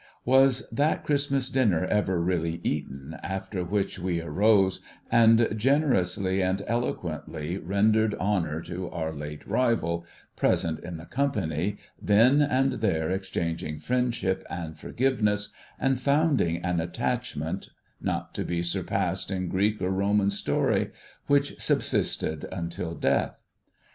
^^^as that Christmas dinner never really eaten, after which we arose, and c 2 20 WHAT CHRISTMAS IS AS WE GROW OLDER generously and eloquently rendered honour to our late rival, present in the company, then and there exchanging friendship and forgive ness, and founding an attachment, not to be surpassed in Greek or Roman story, which subsisted until death